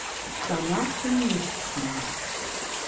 Danach ging nichts mehr.